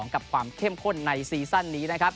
กับความเข้มข้นในซีซั่นนี้นะครับ